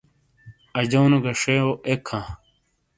اجونو گہ شیوؤ ایک ہاں۔